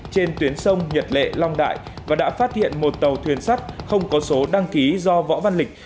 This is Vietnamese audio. trên tuyến sông nhật lệ long đại và đã phát hiện một tàu thuyền sắt không có số đăng ký do võ văn lịch